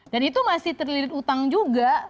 dan itu masih terlirik utang juga